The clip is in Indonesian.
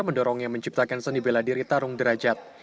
mendorongnya menciptakan seni beladiri tarung derajat